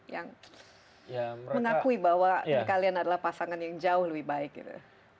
yang mengakui bahwa kalian adalah pasangan yang jauh lebih baik gitu